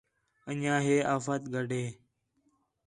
انڄیاں ہے آفت گڈھ ہے